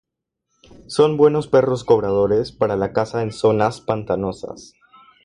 Son buenos perros cobradores para la caza en zonas pantanosas.